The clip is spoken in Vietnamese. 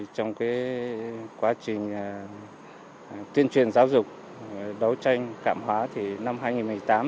trong quá trình tuyên truyền giáo dục đấu tranh cảm hóa thì năm hai nghìn một mươi tám